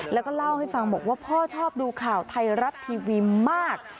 แล้วก็เล่าให้ฟังบอกว่าพ่อชอบดูข่าวไทยรัฐทีวีมาก